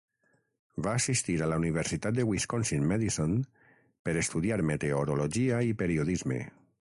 Va assistir a la Universitat de Wisconsin-Madison per estudiar meteorologia i periodisme.